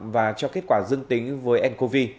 và cho kết quả dưng tính với ncov